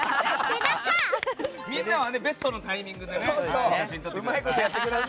みんなはベストのタイミングで写真を撮ってください。